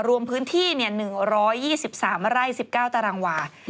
รวมพื้นที่๑๒๓ไร่๑๙ตารางวา